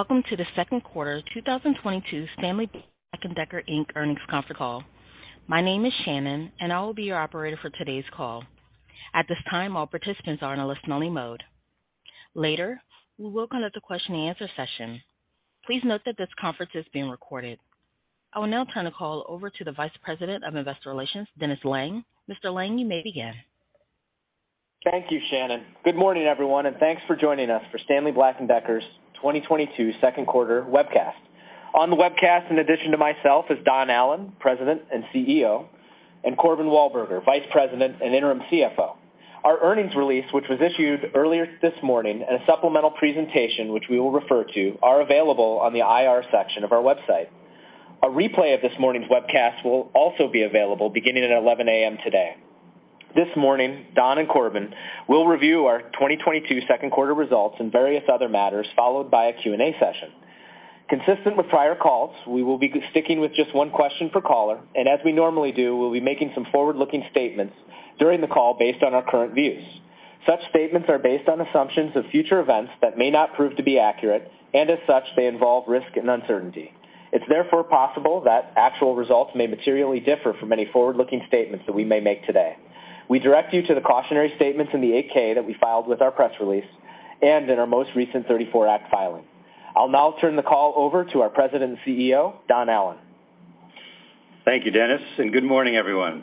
Welcome to the second quarter 2022 Stanley Black & Decker, Inc. earnings conference call. My name is Shannon, and I will be your Operator for today's call. At this time, all participants are in a listen-only mode. Later, we will conduct a question-and-answer session. Please note that this conference is being recorded. I will now turn the call over to the Vice President of Investor Relations Dennis Lange. Mr. Lange, you may begin. Thank you, Shannon. Good morning, everyone, and thanks for joining us for Stanley Black & Decker's second quarter 2022 webcast. On the webcast, in addition to myself, is Don Allan, President and CEO, and Corbin Walburger, Vice President and Interim CFO. Our earnings release, which was issued earlier this morning, and a supplemental presentation, which we will refer to, are available on the IR section of our website. A replay of this morning's webcast will also be available beginning at 11 a.m. today. This morning, Don Allan and Corbin Walburger will review our 2022 second quarter results and various other matters, followed by a Q&A session. Consistent with prior calls, we will be sticking with just one question per caller, and as we normally do, we'll be making some forward-looking statements during the call based on our current views. Such statements are based on assumptions of future events that may not prove to be accurate, and as such, they involve risk and uncertainty. It's therefore possible that actual results may materially differ from any forward-looking statements that we may make today. We direct you to the cautionary statements in the 8-K that we filed with our press release and in our most recent 1934 Act filing. I'll now turn the call over to our President and CEO, Don Allan. Thank you, Dennis, and good morning, everyone.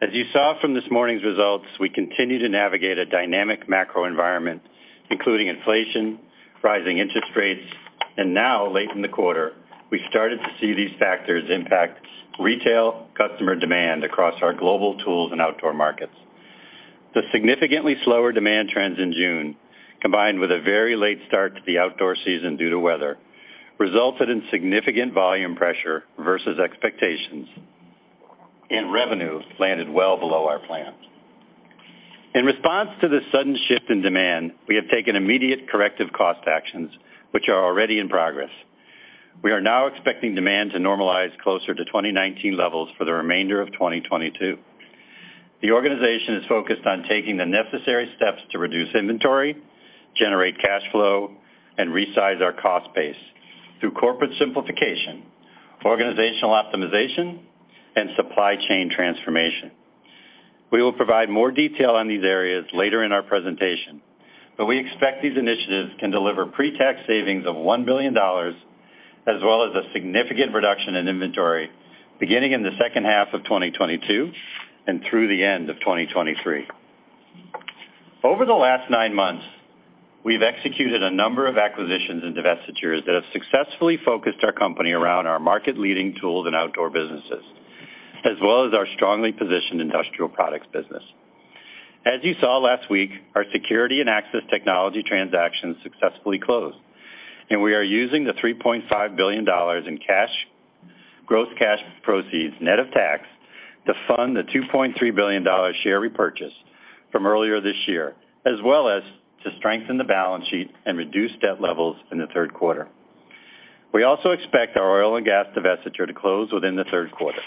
As you saw from this morning's results, we continue to navigate a dynamic macro environment, including inflation, rising interest rates, and now late in the quarter, we started to see these factors impact retail customer demand across our Global Tools and Outdoor markets. The significantly slower demand trends in June, combined with a very late start to the outdoor season due to weather, resulted in significant volume pressure versus expectations and revenue landed well below our plan. In response to the sudden shift in demand, we have taken immediate corrective cost actions, which are already in progress. We are now expecting demand to normalize closer to 2019 levels for the remainder of 2022. The organization is focused on taking the necessary steps to reduce inventory, generate cash flow, and resize our cost base through corporate simplification, organizational optimization, and supply chain transformation. We will provide more detail on these areas later in our presentation, but we expect these initiatives can deliver pre-tax savings of $1 billion as well as a significant reduction in inventory beginning in the second half of 2022 and through the end of 2023. Over the last nine months, we've executed a number of acquisitions and divestitures that have successfully focused our company around our market-leading Tools and Outdoor businesses, as well as our strongly positioned Industrial products business. As you saw last week, our Security and Access Technologies transactions successfully closed, and we are using the $3.5 billion in cash, gross cash proceeds, net of tax to fund the $2.3 billion share repurchase from earlier this year, as well as to strengthen the balance sheet and reduce debt levels in the third quarter. We also expect our Oil & Gas divestiture to close within the third quarter.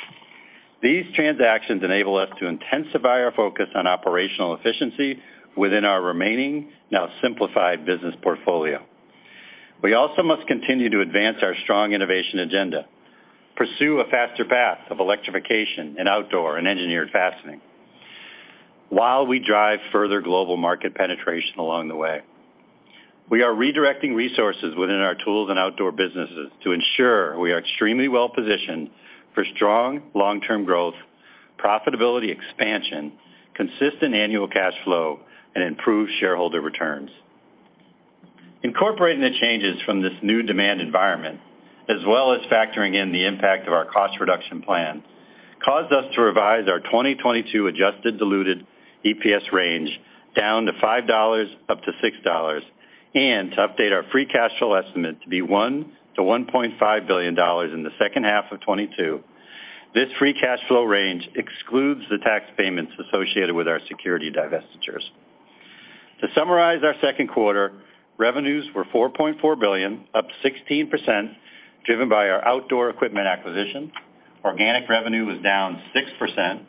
These transactions enable us to intensify our focus on operational efficiency within our remaining, now simplified, business portfolio. We also must continue to advance our strong innovation agenda, pursue a faster path of electrification in Outdoor and Engineered Fastening while we drive further global market penetration along the way. We are redirecting resources within our Tools and Outdoor businesses to ensure we are extremely well-positioned for strong long-term growth, profitability expansion, consistent annual cash flow, and improved shareholder returns. Incorporating the changes from this new demand environment, as well as factoring in the impact of our cost reduction plan, caused us to revise our 2022 adjusted diluted EPS range down to $5-$6, and to update our free cash flow estimate to be $1-$1.5 billion in the second half of 2022. This free cash flow range excludes the tax payments associated with our Security divestitures. To summarize our second quarter, revenues were $4.4 billion, up 16%, driven by our Outdoor equipment acquisition. Organic revenue was down 6%,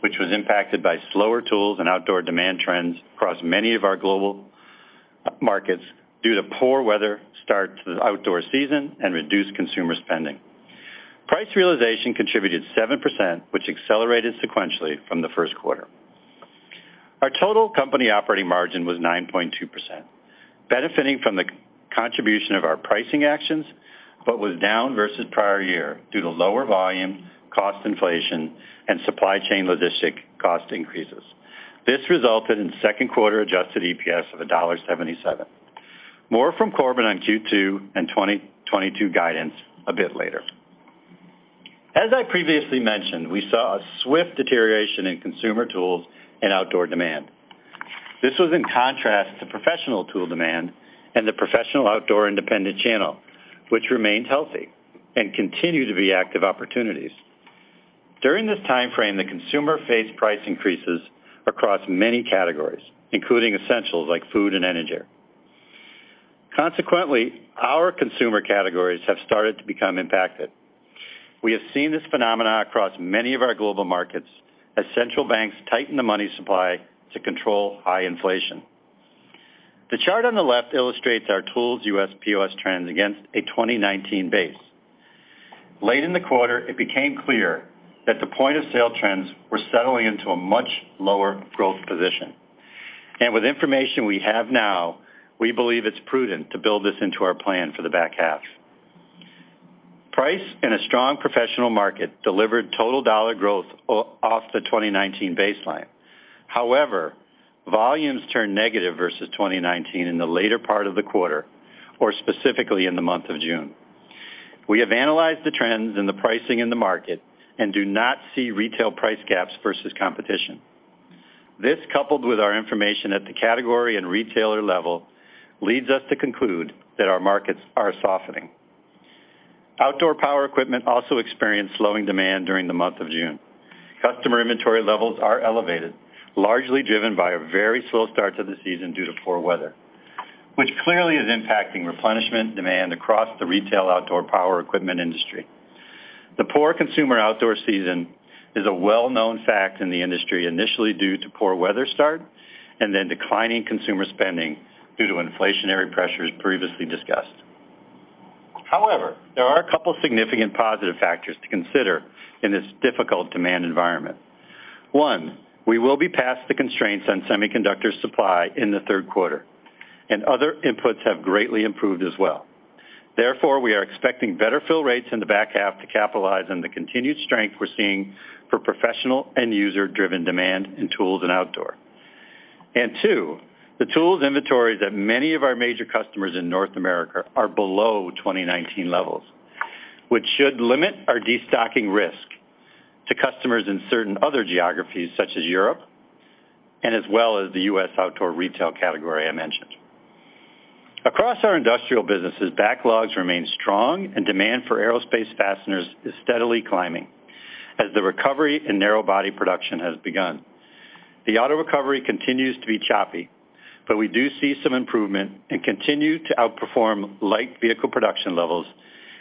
which was impacted by slower Tools and Outdoor demand trends across many of our global markets due to poor weather start to the outdoor season and reduced consumer spending. Price realization contributed 7%, which accelerated sequentially from the first quarter. Our total company operating margin was 9.2%, benefiting from the contribution of our pricing actions, but was down versus prior year due to lower volume, cost inflation, and upply chain logistics cost increases. This resulted in second quarter adjusted EPS of $1.77. More from Corbin on Q2 and 2022 guidance a bit later. As I previously mentioned, we saw a swift deterioration in consumer Tools and Outdoor demand. This was in contrast to professional tool demand and the professional outdoor independent channel, which remains healthy and continue to be active opportunities. During this time frame, the consumer faced price increases across many categories, including essentials like food and energy. Consequently, our consumer categories have started to become impacted. We have seen this phenomenon across many of our global markets as central banks tighten the money supply to control high inflation. The chart on the left illustrates our tools U.S. POS trends against a 2019 base. Late in the quarter, it became clear that the point-of-sale trends were settling into a much lower growth position. With information we have now, we believe it's prudent to build this into our plan for the back half. Price and a strong professional market delivered total dollar growth off the 2019 baseline. However, volumes turned negative versus 2019 in the later part of the quarter or specifically in the month of June. We have analyzed the trends and the pricing in the market and do not see retail price gaps versus competition. This, coupled with our information at the category and retailer level, leads us to conclude that our markets are softening. Outdoor power equipment also experienced slowing demand during the month of June. Customer inventory levels are elevated, largely driven by a very slow start to the season due to poor weather, which clearly is impacting replenishment demand across the retail outdoor power equipment industry. The poor consumer outdoor season is a well-known fact in the industry, initially due to poor weather start and then declining consumer spending due to inflationary pressures previously discussed. However, there are a couple significant positive factors to consider in this difficult demand environment. One, we will be past the constraints on semiconductor supply in the third quarter, and other inputs have greatly improved as well. Therefore, we are expecting better fill rates in the back half to capitalize on the continued strength we're seeing for professional end user-driven demand in tools and outdoor. Two, the tools inventory that many of our major customers in North America are below 2019 levels, which should limit our destocking risk to customers in certain other geographies, such as Europe and as well as the U.S. outdoor retail category I mentioned. Across our industrial businesses, backlogs remain strong and demand for aerospace fasteners is steadily climbing as the recovery in narrow-body production has begun. The auto recovery continues to be choppy, but we do see some improvement and continue to outperform light vehicle production levels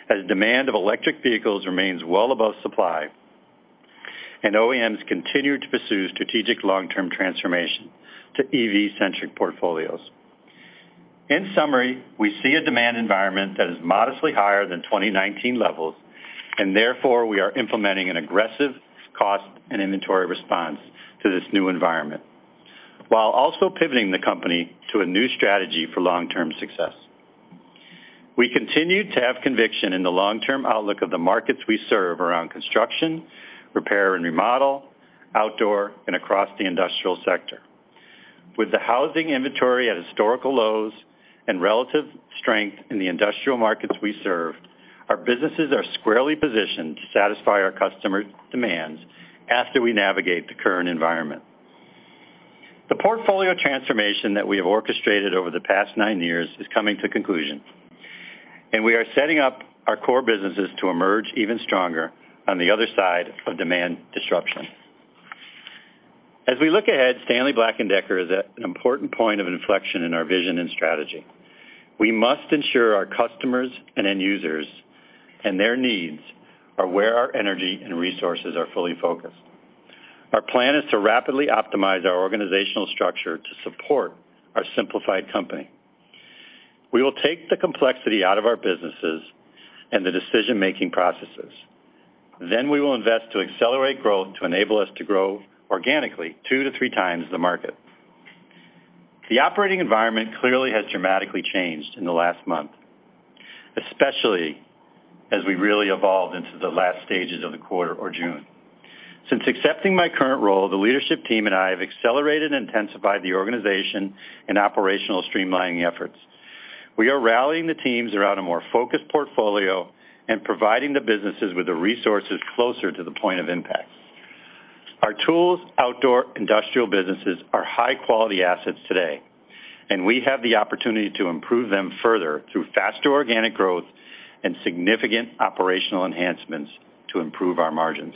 as demand of electric vehicles remains well above supply and OEMs continue to pursue strategic long-term transformation to EV-centric portfolios. In summary, we see a demand environment that is modestly higher than 2019 levels, and therefore, we are implementing an aggressive cost and inventory response to this new environment while also pivoting the company to a new strategy for long-term success. We continue to have conviction in the long-term outlook of the markets we serve around construction, repair and remodel, outdoor, and across the industrial sector. With the housing inventory at historical lows and relative strength in the industrial markets we serve, our businesses are squarely positioned to satisfy our customers' demands after we navigate the current environment. The portfolio transformation that we have orchestrated over the past nine years is coming to a conclusion, and we are setting up our core businesses to emerge even stronger on the other side of demand disruption. As we look ahead, Stanley Black & Decker is at an important point of inflection in our vision and strategy. We must ensure our customers and end users and their needs are where our energy and resources are fully focused. Our plan is to rapidly optimize our organizational structure to support our simplified company. We will take the complexity out of our businesses and the decision-making processes. We will invest to accelerate growth to enable us to grow organically two to three times the market. The operating environment clearly has dramatically changed in the last month, especially as we really evolved into the last stages of the quarter or June. Since accepting my current role, the leadership team and I have accelerated and intensified the organization and operational streamlining efforts. We are rallying the teams around a more focused portfolio and providing the businesses with the resources closer to the point of impact. Our tools, outdoor, industrial businesses are high-quality assets today, and we have the opportunity to improve them further through faster organic growth and significant operational enhancements to improve our margins.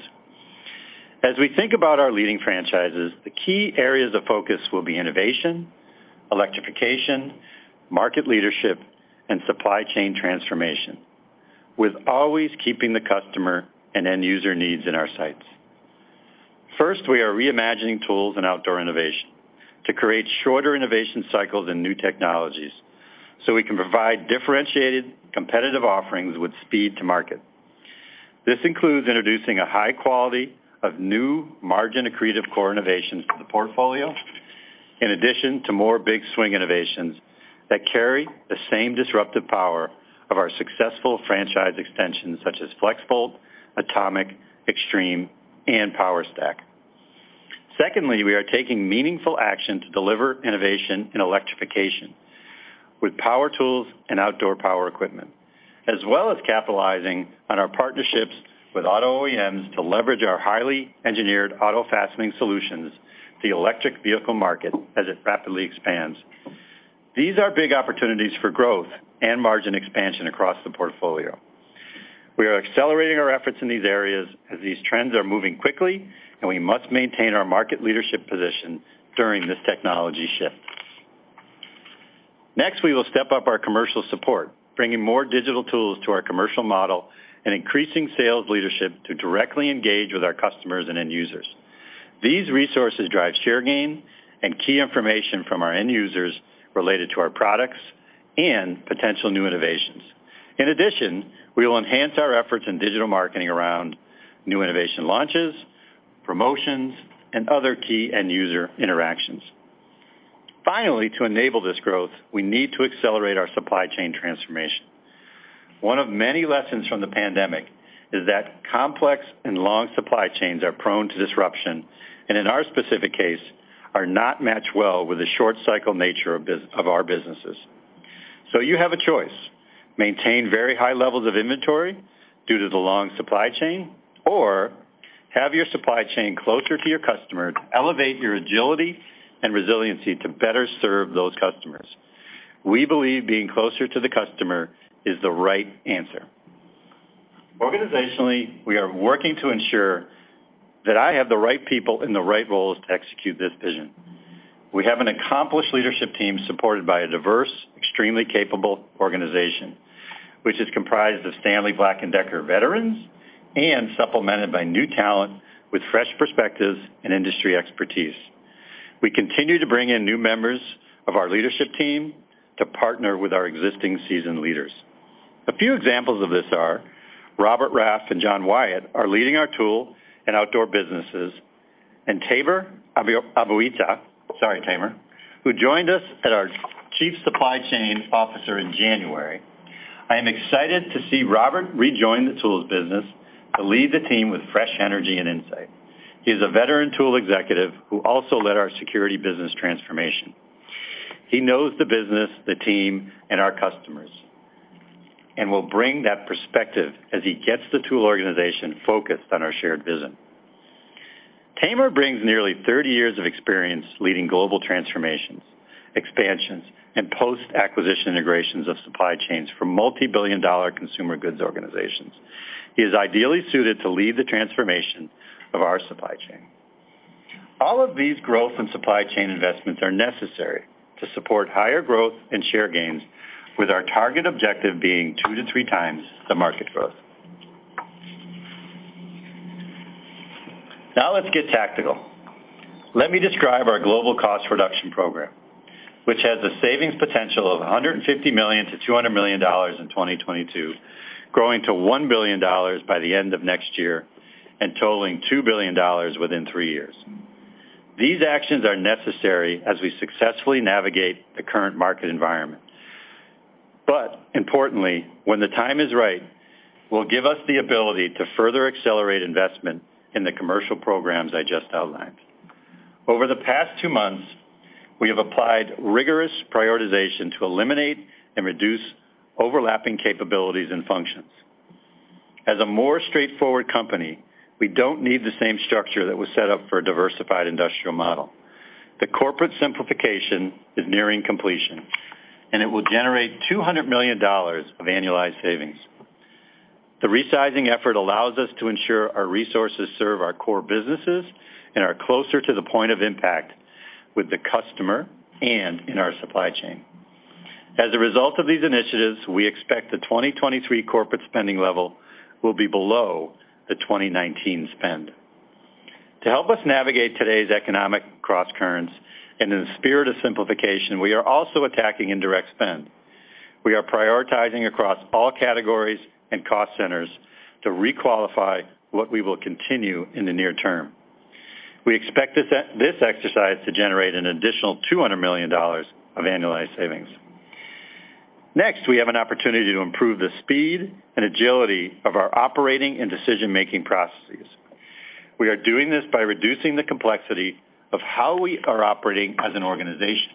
As we think about our leading franchises, the key areas of focus will be innovation, electrification, market leadership, and supply chain transformation, with always keeping the customer and end user needs in our sights. First, we are reimagining tools and outdoor innovation to create shorter innovation cycles and new technologies, so we can provide differentiated, competitive offerings with speed to market. This includes introducing a high-quality of new margin-accretive core innovations to the portfolio, in addition to more big swing innovations that carry the same disruptive power of our successful franchise extensions such as FLEXVOLT, ATOMIC, XTREME, and POWERSTACK. Secondly, we are taking meaningful action to deliver innovation in electrification with power tools and outdoor power equipment, as well as capitalizing on our partnerships with auto OEMs to leverage our highly engineered auto fastening solutions to the electric vehicle market as it rapidly expands. These are big opportunities for growth and margin expansion across the portfolio. We are accelerating our efforts in these areas as these trends are moving quickly, and we must maintain our market leadership position during this technology shift. Next, we will step up our commercial support, bringing more digital tools to our commercial model and increasing sales leadership to directly engage with our customers and end users. These resources drive share gain and key information from our end users related to our products and potential new innovations. In addition, we will enhance our efforts in digital marketing around new innovation launches, promotions, and other key end user interactions. Finally, to enable this growth, we need to accelerate our supply chain transformation. One of many lessons from the pandemic is that complex and long supply chains are prone to disruption, and in our specific case, are not matched well with the short cycle nature of our businesses. You have a choice. Maintain very high levels of inventory due to the long supply chain, or have your supply chain closer to your customer to elevate your agility and resiliency to better serve those customers. We believe being closer to the customer is the right answer. Organizationally, we are working to ensure that I have the right people in the right roles to execute this vision. We have an accomplished leadership team supported by a diverse, extremely capable organization, which is comprised of Stanley Black & Decker veterans and supplemented by new talent with fresh perspectives and industry expertise. We continue to bring in new members of our leadership team to partner with our existing seasoned leaders. A few examples of this are Robert Raff and John Wyatt, leading our Tools and Outdoor businesses, and Tamer Abuaita, sorry, Tamer, who joined us as our Chief Supply Chain Officer in January. I am excited to see Robert rejoin the tools business to lead the team with fresh energy and insight. He's a veteran tool executive who also led our security business transformation. He knows the business, the team, and our customers, and will bring that perspective as he gets the tool organization focused on our shared vision. Tamer brings nearly 30 years of experience leading global transformations, expansions, and post-acquisition integrations of supply chains for multibillion-dollar consumer goods organizations. He is ideally suited to lead the transformation of our supply chain. All of these growth and supply chain investments are necessary to support higher growth and share gains with our target objective being 2x-3x the market growth. Now let's get tactical. Let me describe our global cost reduction program, which has a savings potential of $150 million-$200 million in 2022, growing to $1 billion by the end of next year and totaling $2 billion within three years. These actions are necessary as we successfully navigate the current market environment. Importantly, when the time is right, will give us the ability to further accelerate investment in the commercial programs I just outlined. Over the past two months, we have applied rigorous prioritization to eliminate and reduce overlapping capabilities and functions. As a more straightforward company, we don't need the same structure that was set up for a diversified industrial model. The corporate simplification is nearing completion, and it will generate $200 million of annualized savings. The resizing effort allows us to ensure our resources serve our core businesses and are closer to the point of impact with the customer and in our supply chain. As a result of these initiatives, we expect the 2023 corporate spending level will be below the 2019 spend. To help us navigate today's economic crosscurrents, and in the spirit of simplification, we are also attacking indirect spend. We are prioritizing across all categories and cost centers to re-qualify what we will continue in the near term. We expect this exercise to generate an additional $200 million of annualized savings. Next, we have an opportunity to improve the speed and agility of our operating and decision-making processes. We are doing this by reducing the complexity of how we are operating as an organization,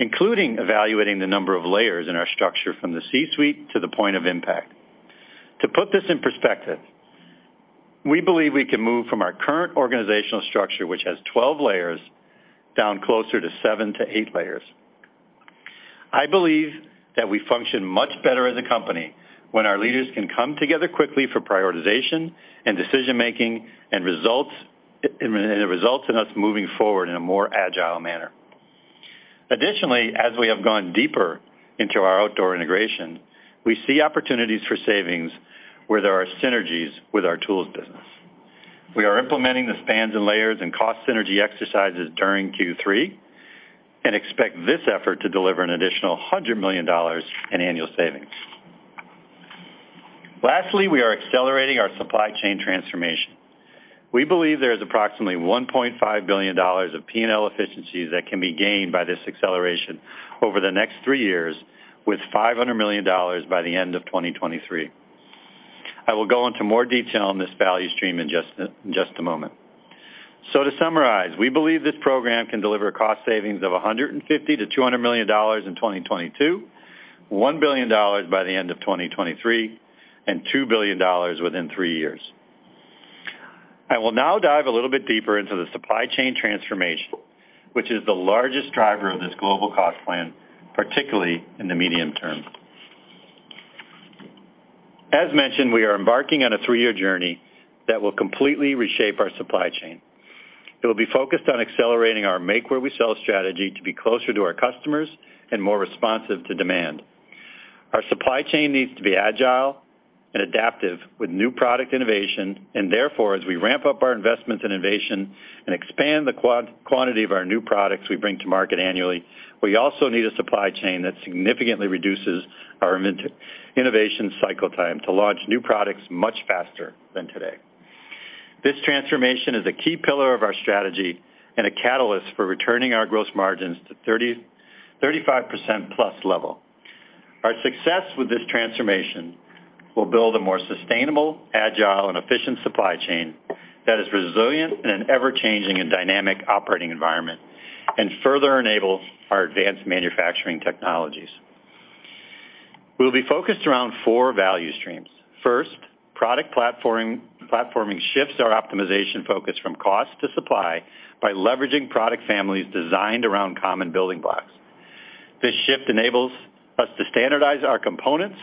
including evaluating the number of layers in our structure from the C-suite to the point of impact. To put this in perspective, we believe we can move from our current organizational structure, which has 12 layers, down closer to seven-eight layers. I believe that we function much better as a company when our leaders can come together quickly for prioritization and decision-making and results, and it results in us moving forward in a more agile manner. Additionally, as we have gone deeper into our outdoor integration, we see opportunities for savings where there are synergies with our tools business. We are implementing the spans and layers and cost synergy exercises during Q3 and expect this effort to deliver an additional $100 million in annual savings. Lastly, we are accelerating our supply chain transformation. We believe there is approximately $1.5 billion of P&L efficiencies that can be gained by this acceleration over the next three years with $500 million by the end of 2023. I will go into more detail on this value stream in just a moment. To summarize, we believe this program can deliver cost savings of $150 million-$200 million in 2022, $1 billion by the end of 2023, and $2 billion within three years. I will now dive a little bit deeper into the supply chain transformation, which is the largest driver of this global cost plan, particularly in the medium term. As mentioned, we are embarking on a three-year journey that will completely reshape our supply chain. It will be focused on accelerating our make where we sell strategy to be closer to our customers and more responsive to demand. Our supply chain needs to be agile and adaptive with new product innovation, and therefore, as we ramp up our investments in innovation and expand the quantity of our new products we bring to market annually, we also need a supply chain that significantly reduces our innovation cycle time to launch new products much faster than today. This transformation is a key pillar of our strategy and a catalyst for returning our gross margins to 30%-35%+ level. Our success with this transformation will build a more sustainable, agile, and efficient supply chain that is resilient in an ever-changing and dynamic operating environment and further enable our advanced manufacturing technologies. We'll be focused around four value streams. First, product platforming. Platforming shifts our optimization focus from cost to supply by leveraging product families designed around common building blocks. This shift enables us to standardize our components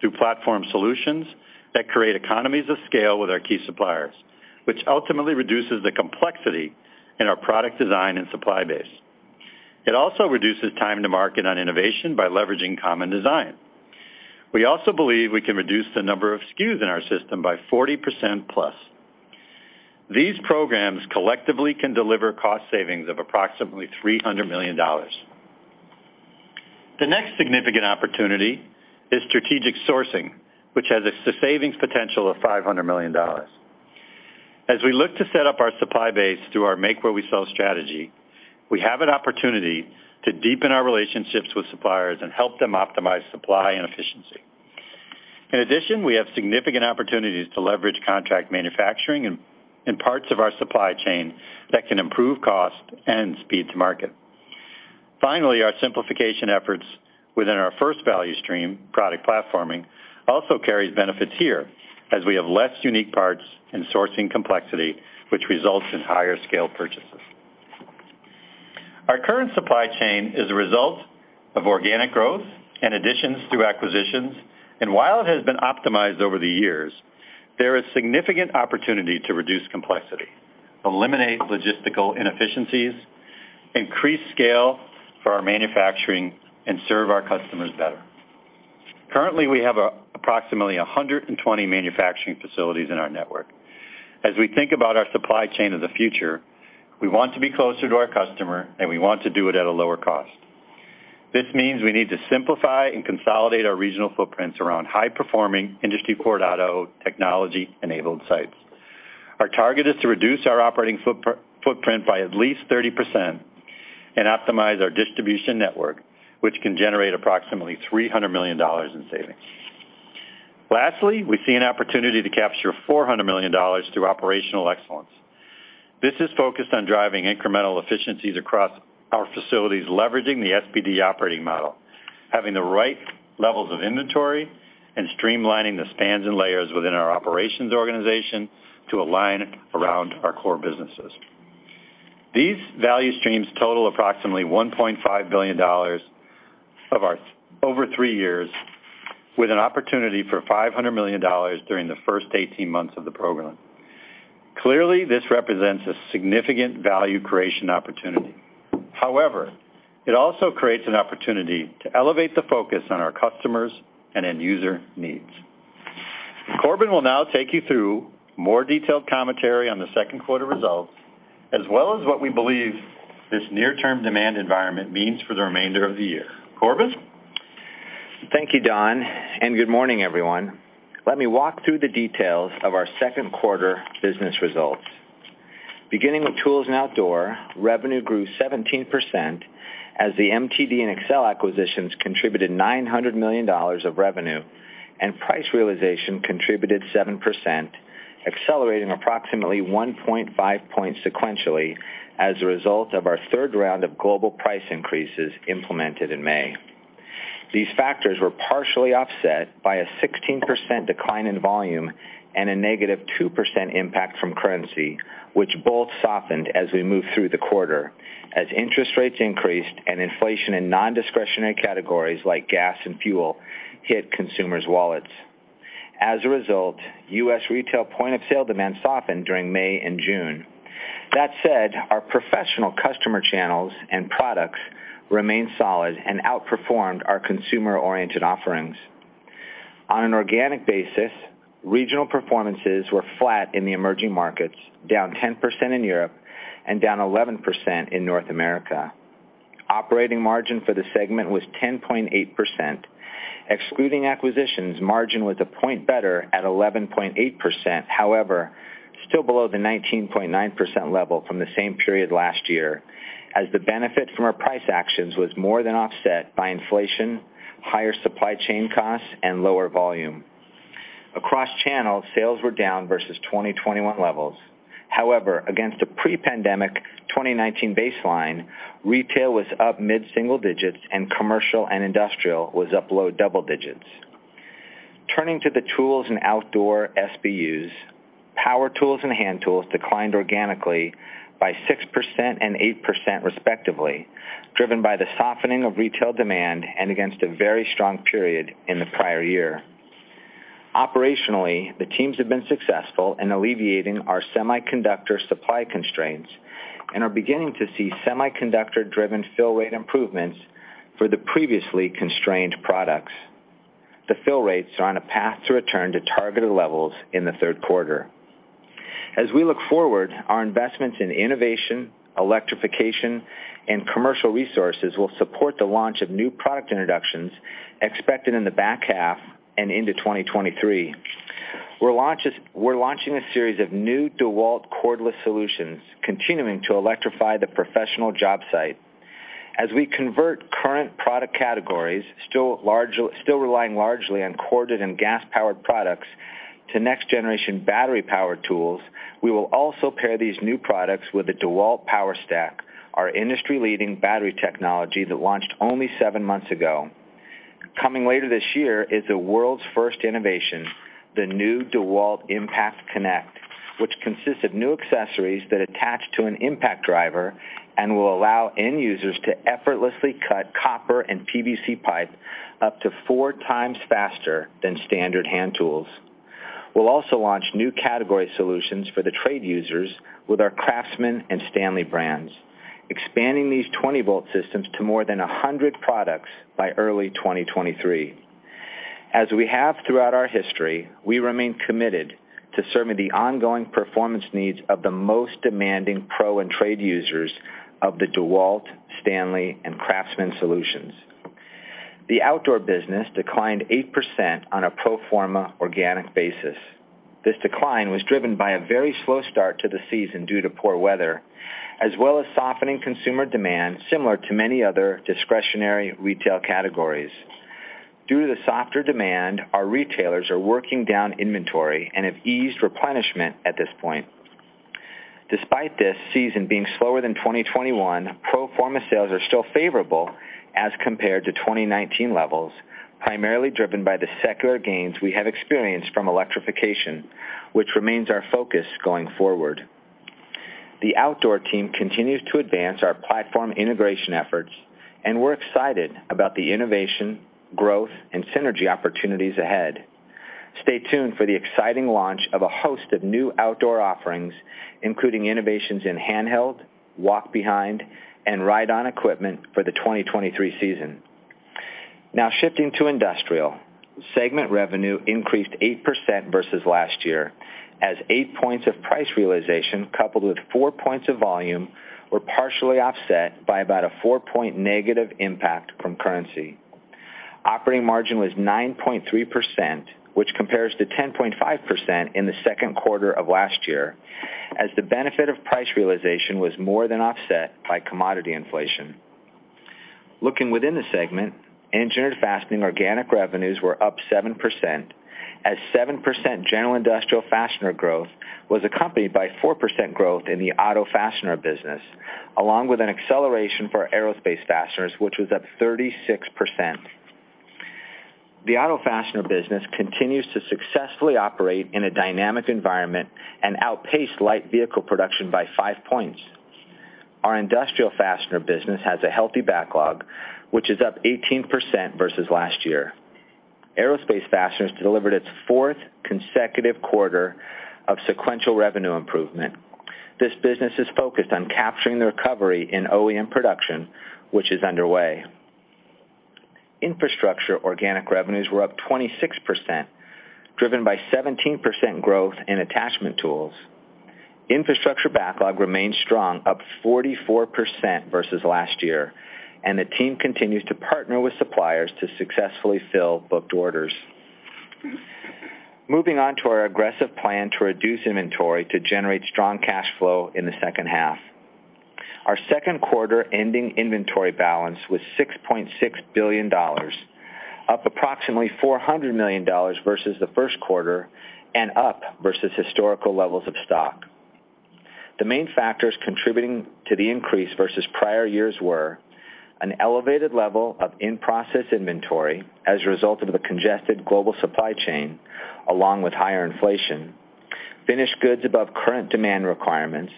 through platform solutions that create economies of scale with our key suppliers, which ultimately reduces the complexity in our product design and supply base. It also reduces time to market on innovation by leveraging common design. We also believe we can reduce the number of SKUs in our system by 40%+. These programs collectively can deliver cost savings of approximately $300 million. The next significant opportunity is strategic sourcing, which has a savings potential of $500 million. As we look to set up our supply base through our make where we sell strategy, we have an opportunity to deepen our relationships with suppliers and help them optimize supply and efficiency. In addition, we have significant opportunities to leverage contract manufacturing in parts of our supply chain that can improve cost and speed to market. Finally, our simplification efforts within our first value stream, product platforming, also carries benefits here, as we have less unique parts and sourcing complexity, which results in higher scale purchases. Our current supply chain is a result of organic growth and additions through acquisitions, and while it has been optimized over the years, there is significant opportunity to reduce complexity, eliminate logistical inefficiencies, increase scale for our manufacturing, and serve our customers better. Currently, we have approximately 120 manufacturing facilities in our network. As we think about our supply chain of the future, we want to be closer to our customer, and we want to do it at a lower cost. This means we need to simplify and consolidate our regional footprints around high-performing industry core auto technology-enabled sites. Our target is to reduce our operating footprint by at least 30% and optimize our distribution network, which can generate approximately $300 million in savings. Lastly, we see an opportunity to capture $400 million through operational excellence. This is focused on driving incremental efficiencies across our facilities, leveraging the SBD Operating Model, having the right levels of inventory and streamlining the spans and layers within our operations organization to align around our core businesses. These value streams total approximately $1.5 billion of ours over three years with an opportunity for $500 million during the first 18 months of the program. Clearly, this represents a significant value creation opportunity. However, it also creates an opportunity to elevate the focus on our customers and end user needs. Corbin will now take you through more detailed commentary on the second quarter results, as well as what we believe this near-term demand environment means for the remainder of the year. Corbin? Thank you, Don, and good morning, everyone. Let me walk through the details of our second quarter business results. Beginning with tools and outdoor, revenue grew 17% as the MTD and Excel acquisitions contributed $900 million of revenue, and price realization contributed 7%, accelerating approximately 1.5 points sequentially as a result of our third round of global price increases implemented in May. These factors were partially offset by a 16% decline in volume and a negative 2% impact from currency, which both softened as we moved through the quarter as interest rates increased and inflation in non-discretionary categories like gas and fuel hit consumers' wallets. As a result, U.S. retail point-of-sale demand softened during May and June. That said, our professional customer channels and products remained solid and outperformed our consumer-oriented offerings. On an organic basis, regional performances were flat in the emerging markets, down 10% in Europe and down 11% in North America. Operating margin for the segment was 10.8%. Excluding acquisitions, margin was a point better at 11.8%. However, still below the 19.9% level from the same period last year, as the benefit from our price actions was more than offset by inflation, higher supply chain costs, and lower volume. Across channels, sales were down versus 2021 levels. However, against a pre-pandemic 2019 baseline, retail was up mid-single digits and commercial and industrial was up low double digits. Turning to the tools and outdoor SBUs. Power tools and hand tools declined organically by 6% and 8% respectively, driven by the softening of retail demand and against a very strong period in the prior year. Operationally, the teams have been successful in alleviating our semiconductor supply constraints and are beginning to see semiconductor-driven fill rate improvements for the previously constrained products. The fill rates are on a path to return to targeted levels in the third quarter. As we look forward, our investments in innovation, electrification, and commercial resources will support the launch of new product introductions expected in the back half and into 2023. We're launching a series of new DEWALT cordless solutions, continuing to electrify the professional job site. As we convert current product categories, still relying largely on corded and gas-powered products to next-generation battery-powered tools, we will also pair these new products with the DEWALT POWERSTACK, our industry-leading battery technology that launched only seven months ago. Coming later this year is the world's first innovation, the new DEWALT IMPACT CONNECT, which consists of new accessories that attach to an impact driver and will allow end users to effortlessly cut copper and PVC pipe up to 4x faster than standard hand tools. We'll also launch new category solutions for the trade users with our CRAFTSMAN and STANLEY brands, expanding these 20 V systems to more than 100 products by early 2023. As we have throughout our history, we remain committed to serving the ongoing performance needs of the most demanding pro and trade users of the DEWALT, STANLEY, and CRAFTSMAN solutions. The outdoor business declined 8% on a pro forma organic basis. This decline was driven by a very slow start to the season due to poor weather, as well as softening consumer demand, similar to many other discretionary retail categories. Due to the softer demand, our retailers are working down inventory and have eased replenishment at this point. Despite this season being slower than 2021, pro forma sales are still favorable as compared to 2019 levels, primarily driven by the secular gains we have experienced from electrification, which remains our focus going forward. The outdoor team continues to advance our platform integration efforts, and we're excited about the innovation, growth, and synergy opportunities ahead. Stay tuned for the exciting launch of a host of new outdoor offerings, including innovations in handheld, walk-behind, and ride-on equipment for the 2023 season. Now shifting to industrial. Segment revenue increased 8% versus last year, as eight points of price realization coupled with four points of volume were partially offset by about a four-point negative impact from currency. Operating margin was 9.3%, which compares to 10.5% in the second quarter of last year, as the benefit of price realization was more than offset by commodity inflation. Looking within the segment, engineered fastening organic revenues were up 7%, as 7% general industrial fastener growth was accompanied by 4% growth in the auto fastener business, along with an acceleration for aerospace fasteners, which was up 36%. The auto fastener business continues to successfully operate in a dynamic environment and outpace light vehicle production by five points. Our industrial fastener business has a healthy backlog, which is up 18% versus last year. Aerospace fasteners delivered its fourth consecutive quarter of sequential revenue improvement. This business is focused on capturing the recovery in OEM production, which is underway. Infrastructure organic revenues were up 26%, driven by 17% growth in attachment tools. Infrastructure backlog remains strong, up 44% versus last year, and the team continues to partner with suppliers to successfully fill booked orders. Moving on to our aggressive plan to reduce inventory to generate strong cash flow in the second half. Our second quarter ending inventory balance was $6.6 billion, up approximately $400 million versus the first quarter and up versus historical levels of stock. The main factors contributing to the increase versus prior years were an elevated level of in-process inventory as a result of the congested global supply chain, along with higher inflation, finished goods above current demand requirements,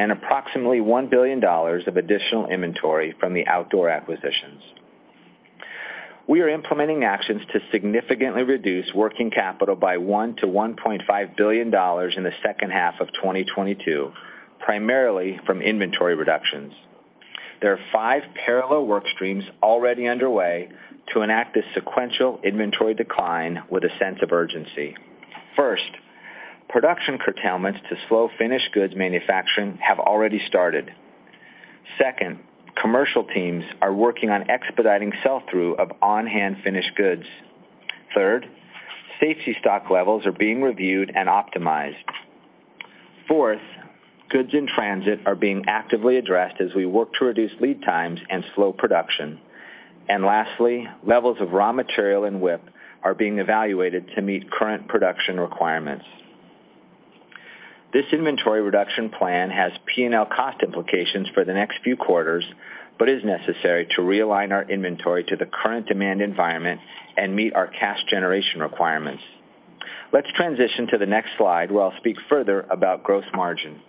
and approximately $1 billion of additional inventory from the outdoor acquisitions. We are implementing actions to significantly reduce working capital by $1 billion-$1.5 billion in the second half of 2022, primarily from inventory reductions. There are five parallel work streams already underway to enact this sequential inventory decline with a sense of urgency. First, production curtailments to slow finished goods manufacturing have already started. Second, commercial teams are working on expediting sell-through of on-hand finished goods. Third, safety stock levels are being reviewed and optimized. Fourth, goods in transit are being actively addressed as we work to reduce lead times and slow production. Lastly, levels of raw material in WIP are being evaluated to meet current production requirements. This inventory reduction plan has P&L cost implications for the next few quarters, but is necessary to realign our inventory to the current demand environment and meet our cash generation requirements. Let's transition to the next slide where I'll speak further about gross margin.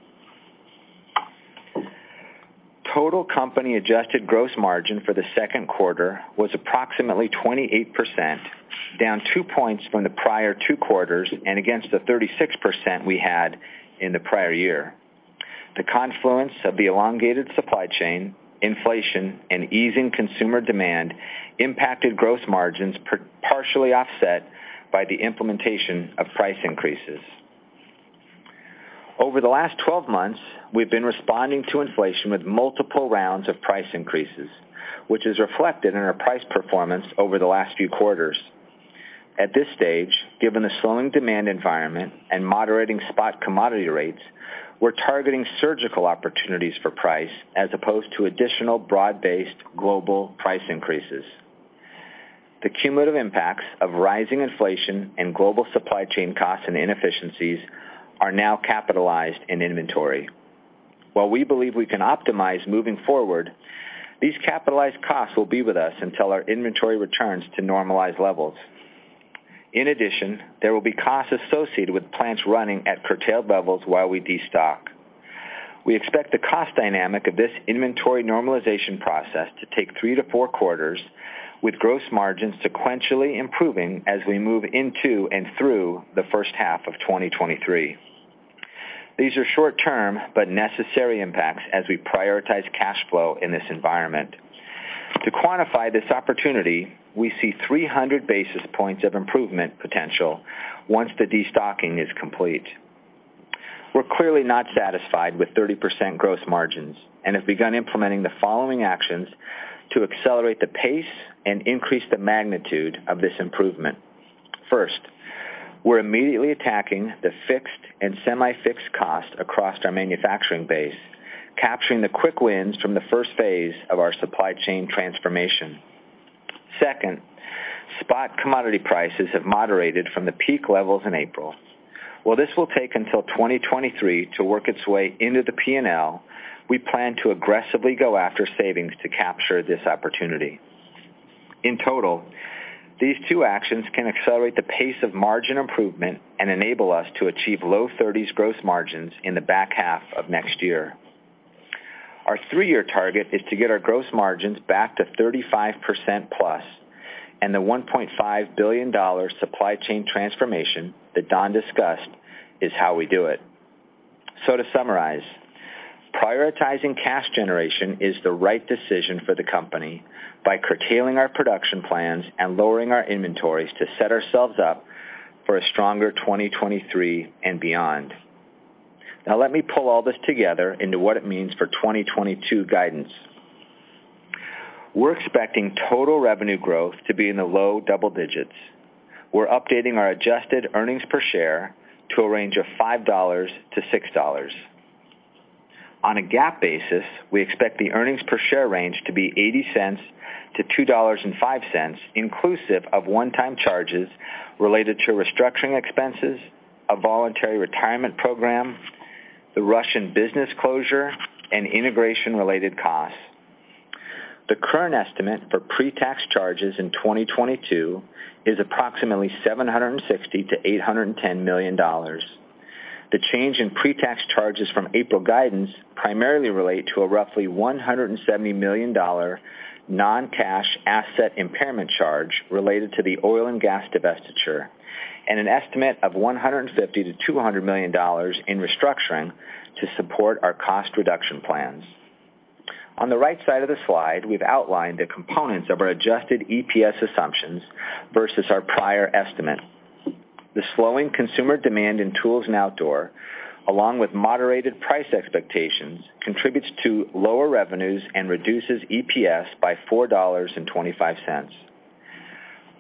Total company adjusted gross margin for the second quarter was approximately 28%, down two points from the prior two quarters and against the 36% we had in the prior year. The confluence of the elongated supply chain, inflation, and easing consumer demand impacted gross margins partially offset by the implementation of price increases. Over the last 12 months, we've been responding to inflation with multiple rounds of price increases, which is reflected in our price performance over the last few quarters. At this stage, given the slowing demand environment and moderating spot commodity rates, we're targeting surgical opportunities for price as opposed to additional broad-based global price increases. The cumulative impacts of rising inflation and global supply chain costs and inefficiencies are now capitalized in inventory. While we believe we can optimize moving forward, these capitalized costs will be with us until our inventory returns to normalized levels. In addition, there will be costs associated with plants running at curtailed levels while we destock. We expect the cost dynamic of this inventory normalization process to take three to four quarters, with gross margins sequentially improving as we move into and through the first half of 2023. These are short term but necessary impacts as we prioritize cash flow in this environment. To quantify this opportunity, we see 300 basis points of improvement potential once the destocking is complete. We're clearly not satisfied with 30% gross margins and have begun implementing the following actions to accelerate the pace and increase the magnitude of this improvement. First, we're immediately attacking the fixed and semi-fixed costs across our manufacturing base, capturing the quick wins from the first phase of our supply chain transformation. Second, spot commodity prices have moderated from the peak levels in April. While this will take until 2023 to work its way into the P&L, we plan to aggressively go after savings to capture this opportunity. In total, these two actions can accelerate the pace of margin improvement and enable us to achieve low 30s gross margins in the back half of next year. Our three-year target is to get our gross margins back to 35%+, and the $1.5 billion supply chain transformation that Don discussed is how we do it. To summarize, prioritizing cash generation is the right decision for the company by curtailing our production plans and lowering our inventories to set ourselves up for a stronger 2023 and beyond. Now, let me pull all this together into what it means for 2022 guidance. We're expecting total revenue growth to be in the low double digits. We're updating our adjusted earnings per share to a range of $5-$6. On a GAAP basis, we expect the earnings per share range to be $0.80-$2.05, inclusive of one-time charges related to restructuring expenses, a voluntary retirement program, the Russian business closure, and integration-related costs. The current estimate for pre-tax charges in 2022 is approximately $760 million-$810 million. The change in pre-tax charges from April guidance primarily relate to a roughly $170 million non-cash asset impairment charge related to the oil and gas divestiture and an estimate of $150 million-$200 million in restructuring to support our cost reduction plans. On the right side of the slide, we've outlined the components of our adjusted EPS assumptions versus our prior estimate. The slowing consumer demand in tools and outdoor, along with moderated price expectations, contributes to lower revenues and reduces EPS by $4.25.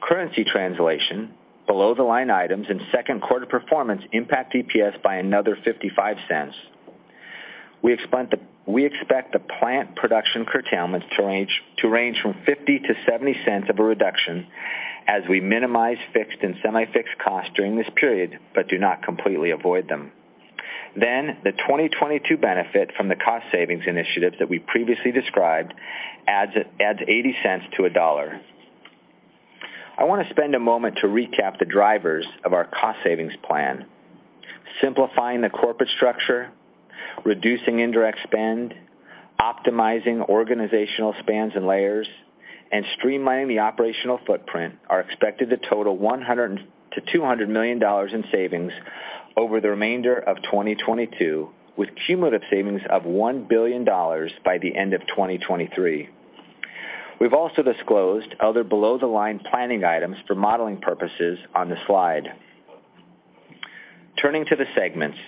Currency translation below the line items and second quarter performance impact EPS by another $0.55. We expect the plant production curtailment to range from $0.50-$0.70 of a reduction as we minimize fixed and semi-fixed costs during this period, but do not completely avoid them. The 2022 benefit from the cost savings initiatives that we previously described adds $0.80-$1.00. I want to spend a moment to recap the drivers of our cost savings plan. Simplifying the corporate structure, reducing indirect spend, optimizing organizational spans and layers, and streamlining the operational footprint are expected to total $100 million-$200 million in savings over the remainder of 2022, with cumulative savings of $1 billion by the end of 2023. We've also disclosed other below the line planning items for modeling purposes on the slide. Turning to the segments.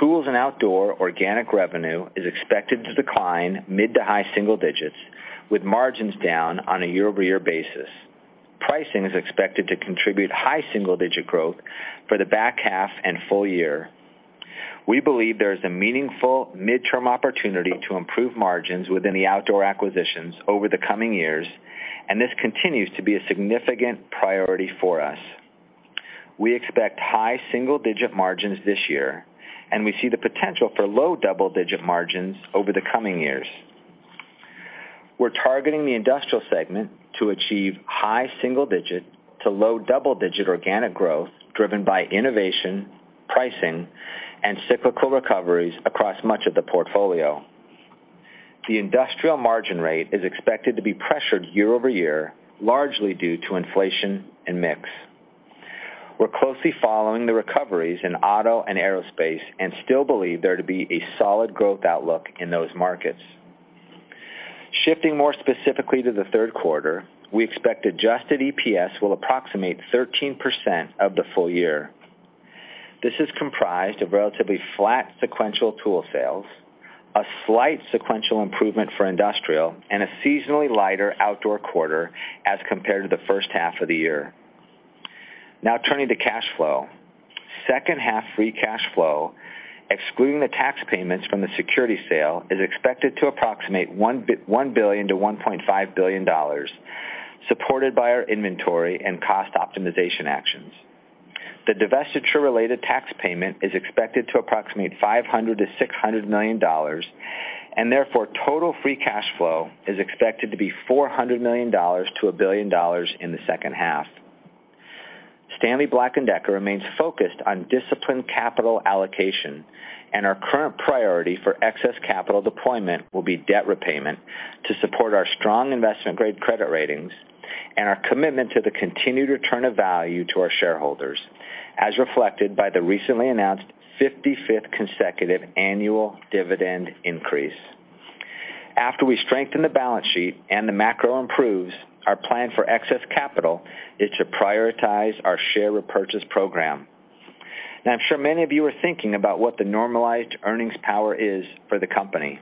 Tools and Outdoor organic revenue is expected to decline mid- to high-single-digit %, with margins down on a year-over-year basis. Pricing is expected to contribute high-single-digit % growth for the back half and full year. We believe there is a meaningful midterm opportunity to improve margins within the outdoor acquisitions over the coming years, and this continues to be a significant priority for us. We expect high single-digit margins this year, and we see the potential for low double-digit margins over the coming years. We're targeting the industrial segment to achieve high single-digit to low double-digit organic growth, driven by innovation, pricing, and cyclical recoveries across much of the portfolio. The industrial margin rate is expected to be pressured year-over-year, largely due to inflation and mix. We're closely following the recoveries in auto and aerospace, and still believe there to be a solid growth outlook in those markets. Shifting more specifically to the third quarter, we expect adjusted EPS will approximate 13% of the full year. This is comprised of relatively flat sequential tool sales, a slight sequential improvement for industrial, and a seasonally lighter outdoor quarter as compared to the first half of the year. Now turning to cash flow. Second half free cash flow, excluding the tax payments from the securities sale, is expected to approximate $1 billion-$1.5 billion, supported by our inventory and cost optimization actions. The divestiture-related tax payment is expected to approximate $500 million-$600 million, and therefore, total free cash flow is expected to be $400 million-$1 billion in the second half. Stanley Black & Decker remains focused on disciplined capital allocation, and our current priority for excess capital deployment will be debt repayment to support our strong investment-grade credit ratings and our commitment to the continued return of value to our shareholders, as reflected by the recently announced fifty-fifth consecutive annual dividend increase. After we strengthen the balance sheet and the macro improves, our plan for excess capital is to prioritize our share repurchase program. Now, I'm sure many of you are thinking about what the normalized earnings power is for the company.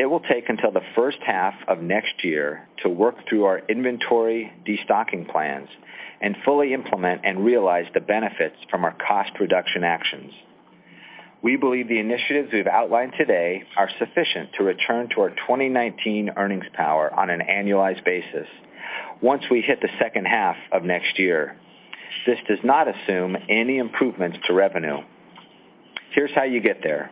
It will take until the first half of next year to work through our inventory destocking plans and fully implement and realize the benefits from our cost reduction actions. We believe the initiatives we've outlined today are sufficient to return to our 2019 earnings power on an annualized basis once we hit the second half of next year. This does not assume any improvements to revenue. Here's how you get there.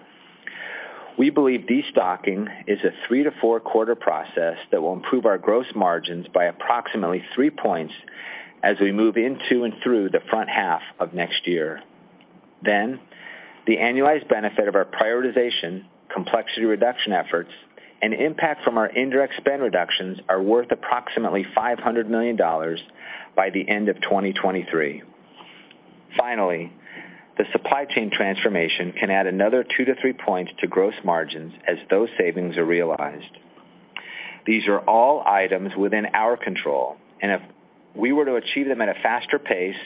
We believe destocking is a three to four-quarter process that will improve our gross margins by approximately 3% as we move into and through the first half of next year. The annualized benefit of our prioritization, complexity reduction efforts, and impact from our indirect spend reductions are worth approximately $500 million by the end of 2023. Finally, the supply chain transformation can add another 2%-3% to gross margins as those savings are realized. These are all items within our control, and if we were to achieve them at a faster pace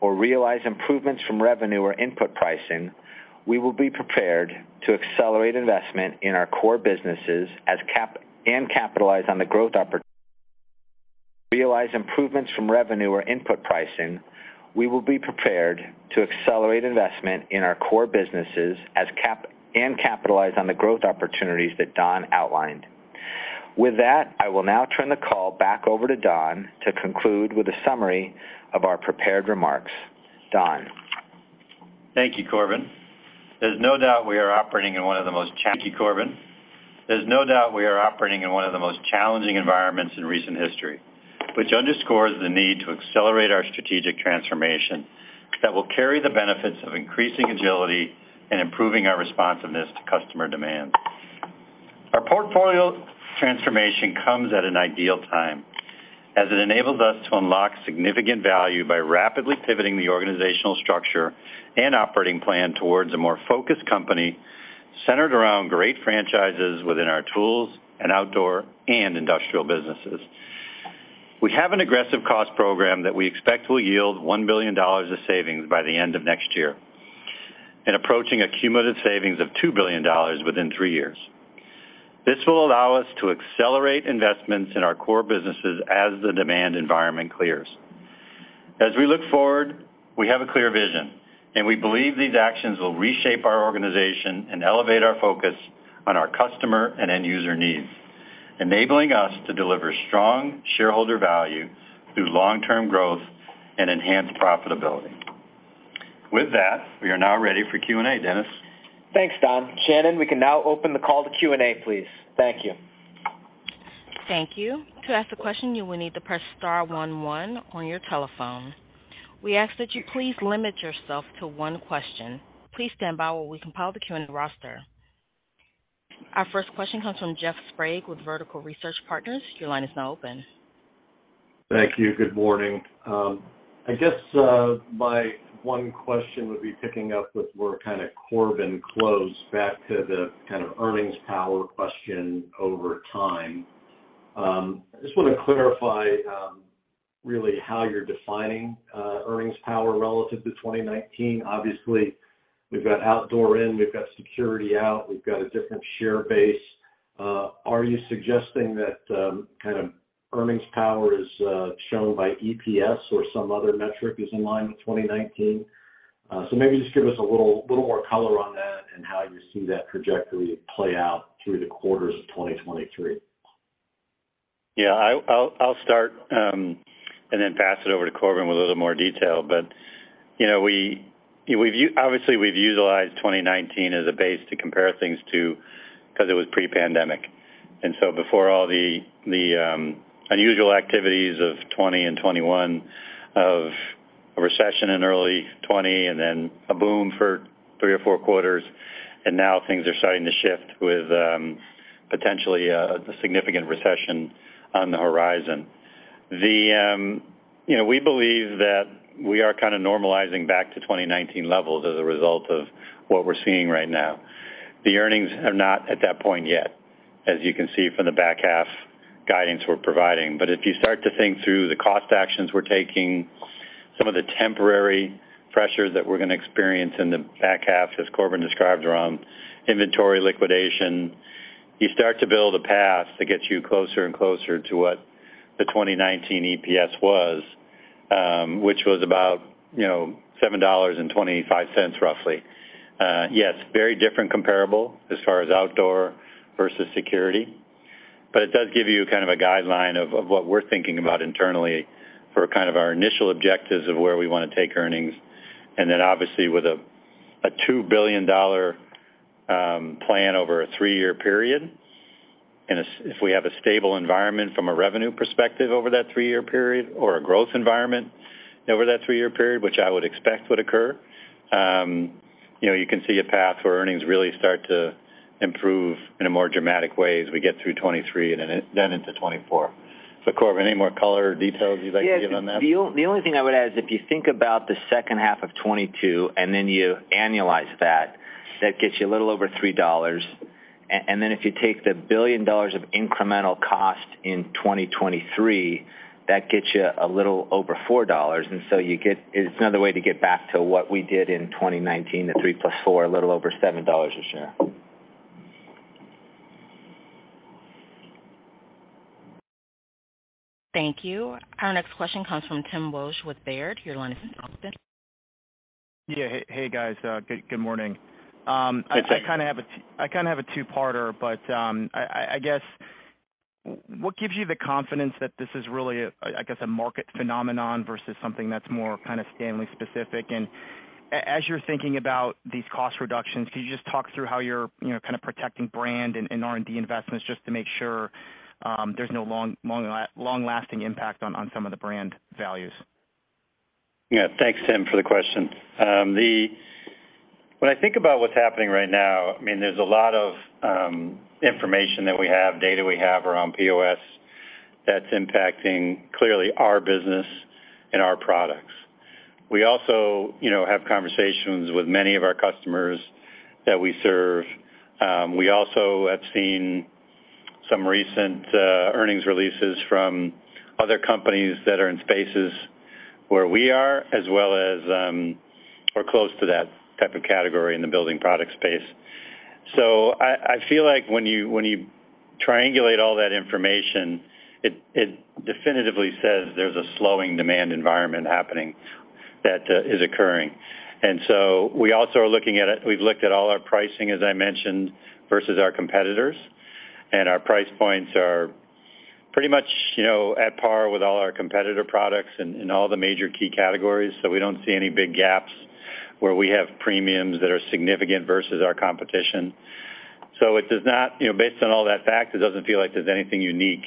or realize improvements from revenue or input pricing, we will be prepared to accelerate investment in our core businesses and capitalize on the growth opportunities that Don outlined. With that, I will now turn the call back over to Don to conclude with a summary of our prepared remarks. Don? Thank you, Corbin. There's no doubt we are operating in one of the most challenging environments in recent history, which underscores the need to accelerate our strategic transformation that will carry the benefits of increasing agility and improving our responsiveness to customer demand. Our portfolio transformation comes at an ideal time, as it enables us to unlock significant value by rapidly pivoting the organizational structure and operating plan towards a more focused company centered around great franchises within our tools and outdoor and industrial businesses. We have an aggressive cost program that we expect will yield $1 billion of savings by the end of next year, and approaching a cumulative savings of $2 billion within three years. This will allow us to accelerate investments in our core businesses as the demand environment clears. As we look forward, we have a clear vision, and we believe these actions will reshape our organization and elevate our focus on our customer and end user needs, enabling us to deliver strong shareholder value through long-term growth and enhanced profitability. With that, we are now ready for Q&A. Dennis? Thanks, Don. Shannon, we can now open the call to Q&A, please. Thank you. Thank you. To ask a question, you will need to press star one one on your telephone. We ask that you please limit yourself to one question. Please stand by while we compile the Q&A roster. Our first question comes from Jeff Sprague with Vertical Research Partners. Your line is now open. Thank you. Good morning. I guess my one question would be picking up with where kinda Corbin closed back to the kind of earnings power question over time. I just wanna clarify really how you're defining earnings power relative to 2019. Obviously, we've got outdoor in, we've got security out, we've got a different share base. Are you suggesting that kind of earnings power is shown by EPS or some other metric is in line with 2019? Maybe just give us a little more color on that and how you see that trajectory play out through the quarters of 2023. I'll start and then pass it over to Corbin with a little more detail. You know, we've obviously utilized 2019 as a base to compare things to because it was pre-pandemic. Before all the unusual activities of 2020 and 2021, of a recession in early 2020 and then a boom for three or four quarters, and now things are starting to shift with potentially a significant recession on the horizon. You know, we believe that we are kind of normalizing back to 2019 levels as a result of what we're seeing right now. The earnings are not at that point yet, as you can see from the back half guidance we're providing. If you start to think through the cost actions we're taking, some of the temporary pressures that we're gonna experience in the back half, as Corbin described around inventory liquidation, you start to build a path that gets you closer and closer to what the 2019 EPS was, which was about $7.25 roughly. Yes, very different comparable as far as outdoor versus security. It does give you kind of a guideline of what we're thinking about internally for kind of our initial objectives of where we wanna take earnings. Then obviously with a $2 billion plan over a three-year period. If we have a stable environment from a revenue perspective over that three-year period or a growth environment over that three-year period, which I would expect would occur, you know, you can see a path where earnings really start to improve in a more dramatic way as we get through 2023 and then into 2024. Corbin, any more color or details you'd like to give on that? Yeah. The only thing I would add is if you think about the second half of 2022 and then you annualize that gets you a little over $3. And then if you take the $1 billion of incremental cost in 2023, that gets you a little over $4. You get, it's another way to get back to what we did in 2019 to $3 + $4, a little over $7 a share. Thank you. Our next question comes from Tim Wojs with Baird. Your line is open. Yeah. Hey, guys. Good morning. Good day. I kind of have a two-parter, but I guess what gives you the confidence that this is really a, I guess, a market phenomenon versus something that's more kind of Stanley specific? As you're thinking about these cost reductions, can you just talk through how you're, you know, kind of protecting brand and R&D investments just to make sure there's no long-lasting impact on some of the brand values? Yeah. Thanks, Tim, for the question. When I think about what's happening right now, I mean, there's a lot of information that we have, data we have around POS that's impacting, clearly, our business and our products. We also, you know, have conversations with many of our customers that we serve. We also have seen some recent earnings releases from other companies that are in spaces where we are as well as, or close to that type of category in the building product space. I feel like when you triangulate all that information, it definitively says there's a slowing demand environment happening that is occurring. We also are looking at it. We've looked at all our pricing, as I mentioned, versus our competitors, and our price points are pretty much, you know, at par with all our competitor products in all the major key categories. We don't see any big gaps where we have premiums that are significant versus our competition. It does not, you know, based on all that fact, it doesn't feel like there's anything unique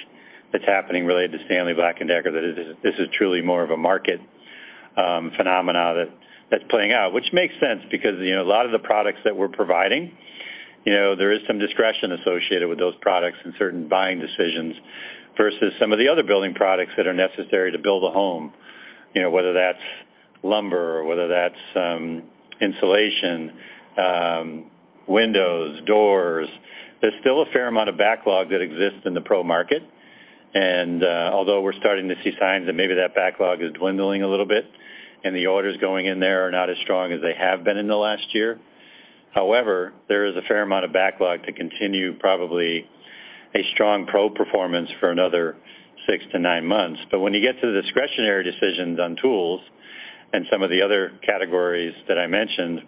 that's happening related to Stanley Black & Decker. That this is this is truly more of a market phenomena that's playing out, which makes sense because, you know, a lot of the products that we're providing, you know, there is some discretion associated with those products and certain buying decisions versus some of the other building products that are necessary to build a home. You know, whether that's lumber or whether that's insulation, windows, doors. There's still a fair amount of backlog that exists in the pro market. Although we're starting to see signs that maybe that backlog is dwindling a little bit and the orders going in there are not as strong as they have been in the last year. However, there is a fair amount of backlog to continue, probably a strong pro performance for another six-nine months. When you get to the discretionary decisions on tools and some of the other categories that I mentioned,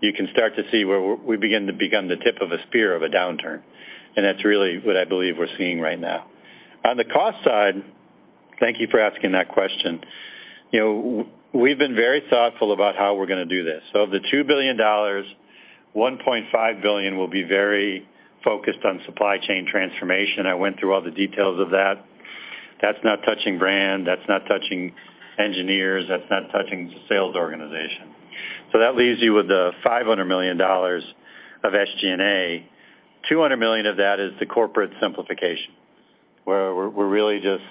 you can start to see where we begin to become the tip of a spear of a downturn, and that's really what I believe we're seeing right now. On the cost side, thank you for asking that question. You know, we've been very thoughtful about how we're gonna do this. Of the $2 billion, $1.5 billion will be very focused on supply chain transformation. I went through all the details of that. That's not touching brand, that's not touching engineers, that's not touching sales organization. That leaves you with the $500 million of SG&A. $200 million of that is the corporate simplification, where we're really just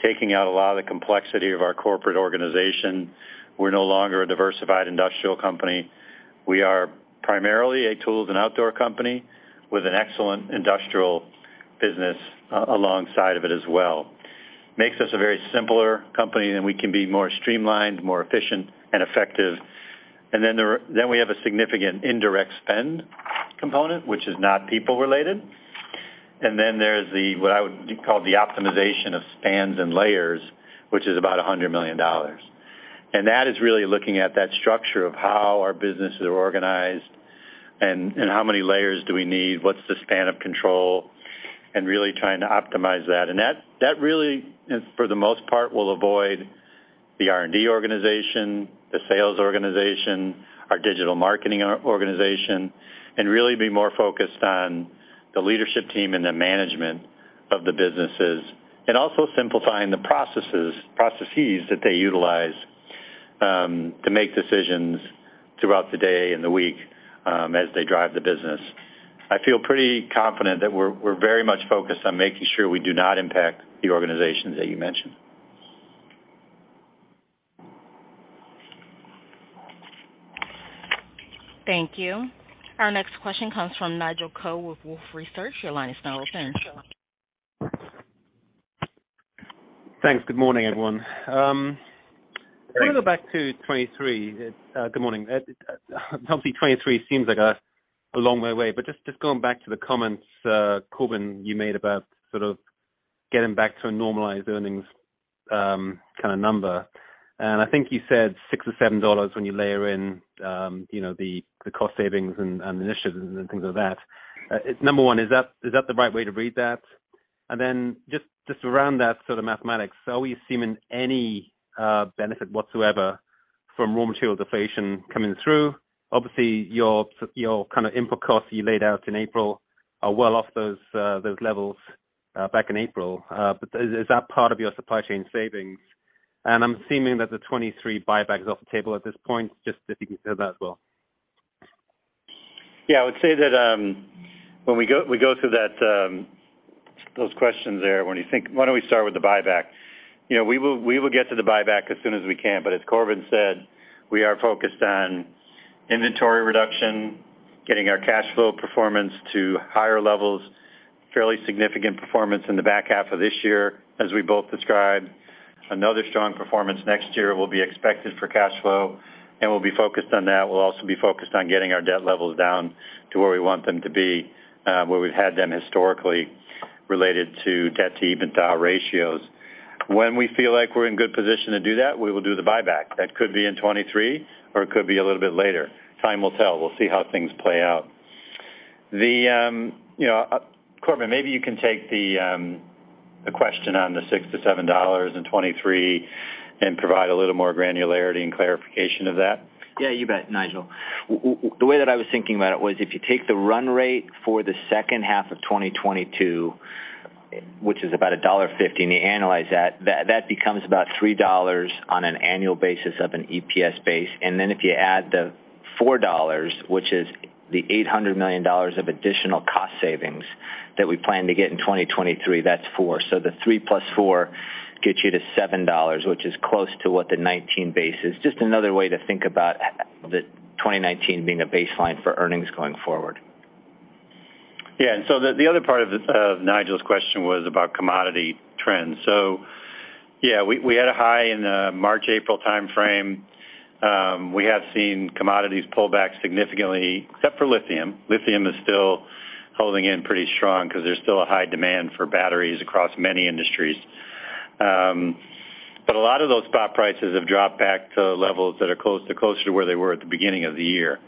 taking out a lot of the complexity of our corporate organization. We're no longer a diversified industrial company. We are primarily a tools and outdoor company with an excellent industrial business alongside of it as well. Makes us a very simpler company than we can be more streamlined, more efficient and effective. Then we have a significant indirect spend component, which is not people-related. There's the, what I would call the optimization of spans and layers, which is about $100 million. That is really looking at that structure of how our business is organized and how many layers do we need, what's the span of control, and really trying to optimize that. That really, for the most part, will avoid the R&D organization, the sales organization, our digital marketing organization, and really be more focused on the leadership team and the management of the businesses. Also simplifying the processes that they utilize to make decisions throughout the day and the week as they drive the business. I feel pretty confident that we're very much focused on making sure we do not impact the organizations that you mentioned. Thank you. Our next question comes from Nigel Coe with Wolfe Research. Your line is now open. Thanks. Good morning, everyone. Hey I wanna go back to 2023. Good morning. Obviously 2023 seems like a long way away, but just going back to the comments, Corbin, you made about sort of getting back to a normalized earnings kind of number. I think you said $6-$7 when you layer in, you know, the cost savings and initiatives and things like that. Number one, is that the right way to read that? Then just around that sort of mathematics, are we seeing any benefit whatsoever from raw material deflation coming through? Obviously, your kind of input costs you laid out in April are well off those levels back in April. But is that part of your supply chain savings? I'm assuming that the 23 buyback is off the table at this point, just if you can say that as well. Yeah. I would say that when we go through those questions there. Why don't we start with the buyback? You know, we will get to the buyback as soon as we can. As Corbin said, we are focused on inventory reduction, getting our cash flow performance to higher levels, fairly significant performance in the back half of this year, as we both described. Another strong performance next year will be expected for cash flow, and we'll be focused on that. We'll also be focused on getting our debt levels down to where we want them to be, where we've had them historically related to debt to EBITDA ratios. When we feel like we're in good position to do that, we will do the buyback. That could be in 2023 or it could be a little bit later. Time will tell. We'll see how things play out. You know, Corbin, maybe you can take the question on the $6-$7 in 2023 and provide a little more granularity and clarification of that. Yeah, you bet, Nigel. The way that I was thinking about it was if you take the run rate for the second half of 2022, which is about $1.50, and you analyze that becomes about $3 on an annual basis of an EPS base. Then if you add the $4, which is the $800 million of additional cost savings that we plan to get in 2023, that's four. So the three plus four gets you to $7, which is close to what the 2019 base is. Just another way to think about the 2019 being a baseline for earnings going forward. Yeah. The other part of Nigel's question was about commodity trends. Yeah, we had a high in the March, April timeframe. We have seen commodities pull back significantly, except for lithium. Lithium is still holding in pretty strong because there's still a high demand for batteries across many industries. But a lot of those spot prices have dropped back to levels that are closer to where they were at the beginning of the year.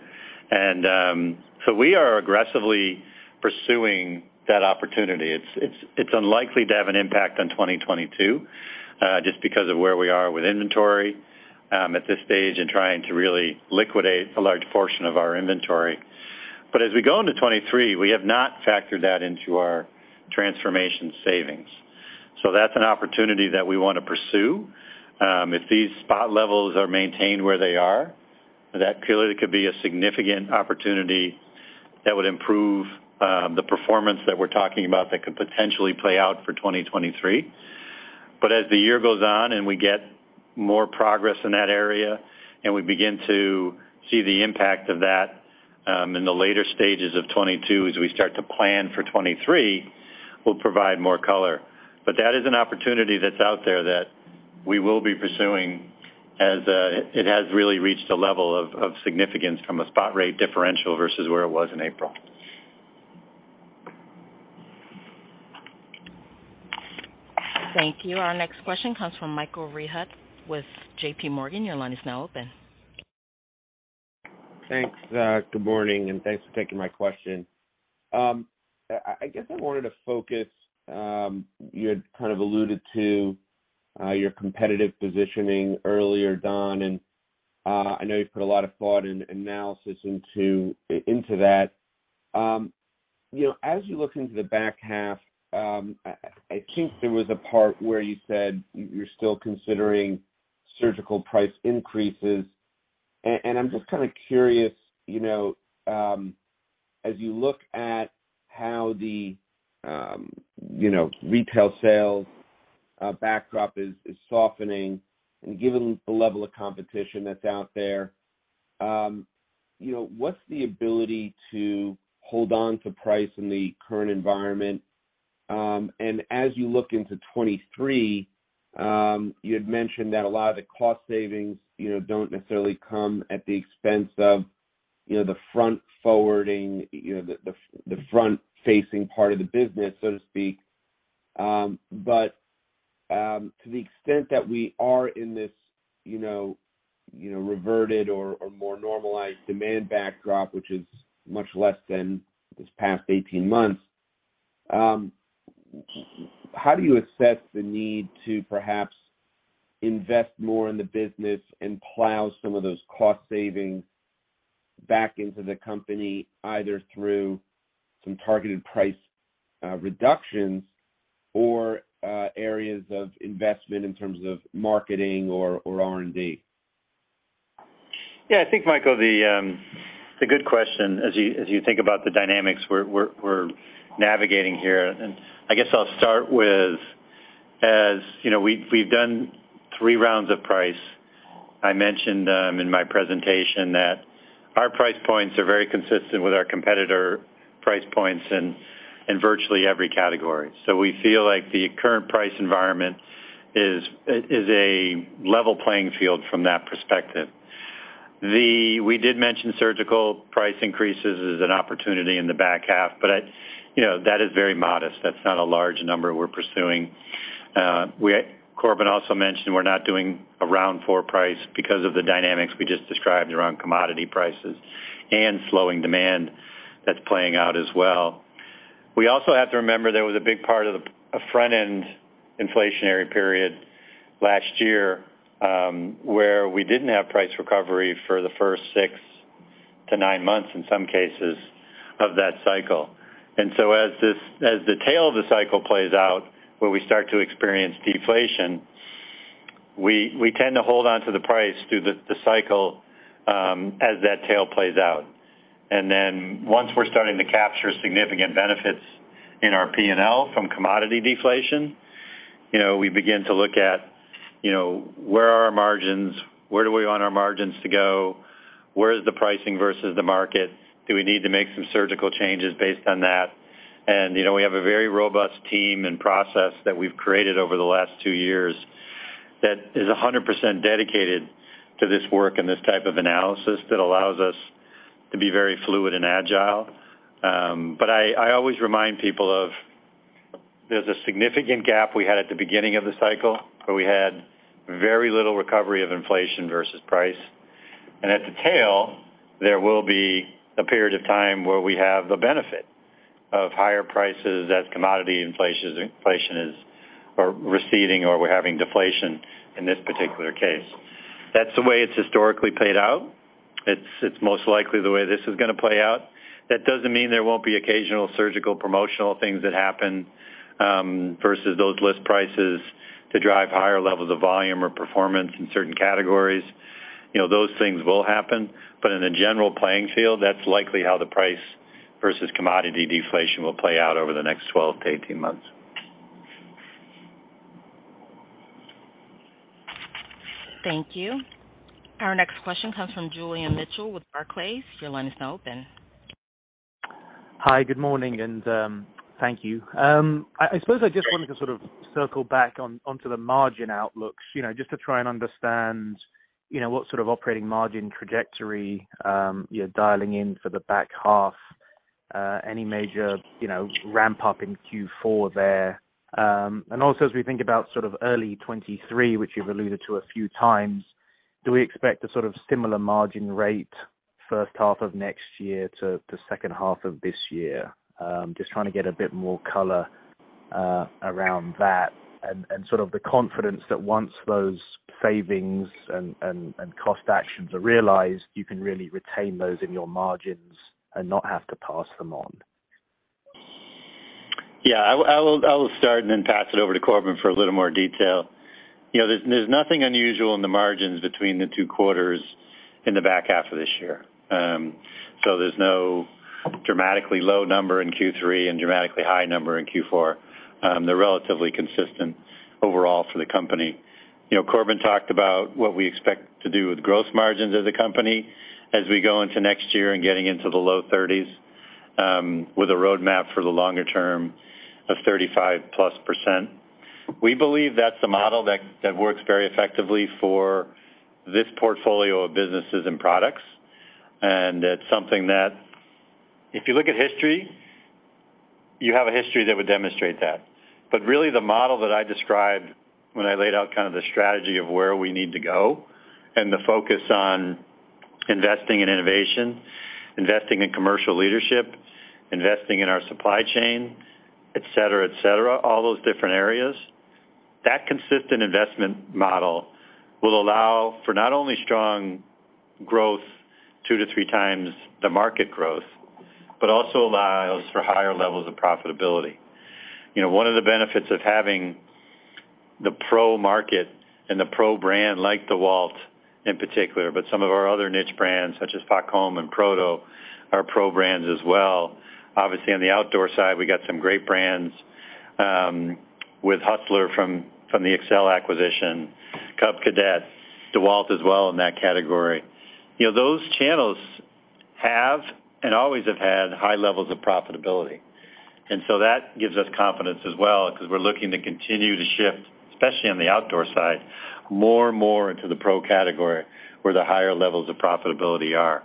We are aggressively pursuing that opportunity. It's unlikely to have an impact on 2022, just because of where we are with inventory, at this stage and trying to really liquidate a large portion of our inventory. As we go into 2023, we have not factored that into our transformation savings. That's an opportunity that we wanna pursue. If these spot levels are maintained where they are, that clearly could be a significant opportunity that would improve the performance that we're talking about that could potentially play out for 2023. As the year goes on and we get more progress in that area and we begin to see the impact of that in the later stages of 2022 as we start to plan for 2023, we'll provide more color. That is an opportunity that's out there that we will be pursuing as it has really reached a level of significance from a spot rate differential versus where it was in April. Thank you. Our next question comes from Michael Rehaut with JPMorgan. Your line is now open. Thanks. Good morning, and thanks for taking my question. I guess I wanted to focus. You had kind of alluded to your competitive positioning earlier, Don, and I know you've put a lot of thought and analysis into that. You know, as you look into the back half, I think there was a part where you said you're still considering surgical price increases. I'm just kinda curious, you know, as you look at how the, you know, retail sales backdrop is softening and given the level of competition that's out there, you know, what's the ability to hold on to price in the current environment? As you look into 2023, you had mentioned that a lot of the cost savings, you know, don't necessarily come at the expense of, you know, the front-facing part of the business, so to speak. To the extent that we are in this, you know, you know, reverted or more normalized demand backdrop, which is much less than this past 18 months, how do you assess the need to perhaps invest more in the business and plow some of those cost savings back into the company, either through some targeted price reductions or areas of investment in terms of marketing or R&D? Yeah, I think, Michael, the good question, as you think about the dynamics we're navigating here, and I guess I'll start with, you know, we've done three rounds of price. I mentioned in my presentation that our price points are very consistent with our competitor price points in virtually every category. So we feel like the current price environment is a level playing field from that perspective. We did mention surgical price increases as an opportunity in the back half, but you know, that is very modest. That's not a large number we're pursuing. We, Corbin, also mentioned we're not doing a round four price because of the dynamics we just described around commodity prices and slowing demand that's playing out as well. We also have to remember there was a big part of the front end inflationary period last year, where we didn't have price recovery for the first six-nine months in some cases of that cycle. As the tail of the cycle plays out, where we start to experience deflation, we tend to hold on to the price through the cycle, as that tail plays out. Once we're starting to capture significant benefits in our P&L from commodity deflation, you know, we begin to look at, you know, where are our margins? Where do we want our margins to go? Where is the pricing versus the market? Do we need to make some surgical changes based on that? You know, we have a very robust team and process that we've created over the last two years that is 100% dedicated to this work and this type of analysis that allows us to be very fluid and agile. But I always remind people of there's a significant gap we had at the beginning of the cycle, where we had very little recovery of inflation versus price. At the tail, there will be a period of time where we have the benefit of higher prices as commodity inflation is or receding or we're having deflation in this particular case. That's the way it's historically played out. It's most likely the way this is gonna play out. That doesn't mean there won't be occasional surgical promotional things that happen versus those list prices to drive higher levels of volume or performance in certain categories. You know, those things will happen. In a general playing field, that's likely how the price versus commodity deflation will play out over the next 12-18 months. Thank you. Our next question comes from Julian Mitchell with Barclays. Your line is now open. Hi, good morning, and thank you. I suppose I just wanted to sort of circle back on to the margin outlooks, you know, just to try and understand, you know, what sort of operating margin trajectory you're dialing in for the back half, any major, you know, ramp-up in Q4 there. Also, as we think about sort of early 2023, which you've alluded to a few times, do we expect a sort of similar margin rate first half of next year to second half of this year? Just trying to get a bit more color around that and sort of the confidence that once those savings and cost actions are realized, you can really retain those in your margins and not have to pass them on. Yeah, I will start and then pass it over to Corbin for a little more detail. You know, there's nothing unusual in the margins between the two quarters in the back half of this year. So there's no dramatically low number in Q3 and dramatically high number in Q4. They're relatively consistent overall for the company. You know, Corbin talked about what we expect to do with gross margins as a company as we go into next year and getting into the low 30%, with a roadmap for the longer term of 35%+. We believe that's the model that works very effectively for this portfolio of businesses and products. It's something that if you look at history, you have a history that would demonstrate that. Really the model that I described when I laid out kind of the strategy of where we need to go and the focus on investing in innovation, investing in commercial leadership, investing in our supply chain, etc, all those different areas, that consistent investment model will allow for not only strong growth 2x-3x the market growth, but also allows for higher levels of profitability. You know, one of the benefits of having the pro market and the pro brand like DEWALT in particular, but some of our other niche brands such as FACOM and PROTO are pro brands as well. Obviously, on the outdoor side, we got some great brands with Hustler from the Excel acquisition, Cub Cadet, DEWALT as well in that category. You know, those channels have and always have had high levels of profitability. That gives us confidence as well because we're looking to continue to shift, especially on the outdoor side, more and more into the pro category where the higher levels of profitability are.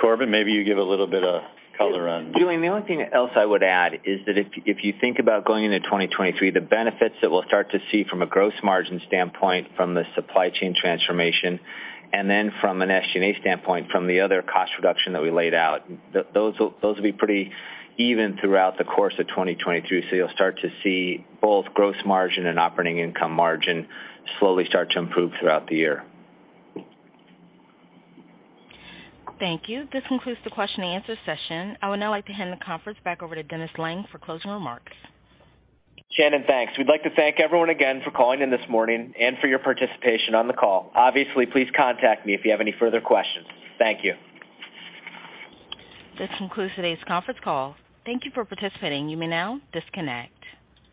Corbin, maybe you give a little bit of color on- Julian, the only thing else I would add is that if you think about going into 2023, the benefits that we'll start to see from a gross margin standpoint from the supply chain transformation and then from an SG&A standpoint from the other cost reduction that we laid out, those will be pretty even throughout the course of 2023. You'll start to see both gross margin and operating income margin slowly start to improve throughout the year. Thank you. This concludes the question and answer session. I would now like to hand the conference back over to Dennis Lange for closing remarks. Shannon, thanks. We'd like to thank everyone again for calling in this morning and for your participation on the call. Obviously, please contact me if you have any further questions. Thank you. This concludes today's conference call. Thank you for participating. You may now disconnect.